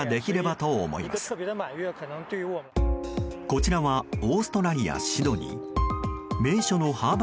こちらはオーストラリア・シドニー。